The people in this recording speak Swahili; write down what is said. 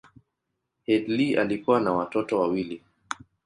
Headlee alikuwa na watoto wawili.